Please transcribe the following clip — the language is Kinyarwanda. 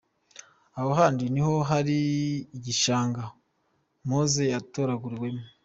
Aho kandi ni ho hari igishanga Mose yatoraguwemo.